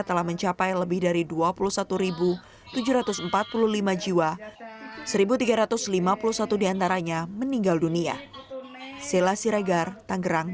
telah mencapai lebih dari dua puluh satu tujuh ratus empat puluh lima jiwa seribu tiga ratus lima puluh satu diantaranya meninggal dunia sela siregar tanggerang